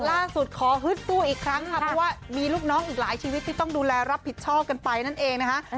ขอฮึดสู้อีกครั้งค่ะเพราะว่ามีลูกน้องอีกหลายชีวิตที่ต้องดูแลรับผิดชอบกันไปนั่นเองนะคะ